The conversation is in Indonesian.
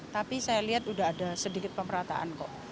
tapi saya lihat sudah ada sedikit pemerataan kok